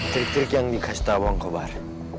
trik trik yang dikasih tahu angkobar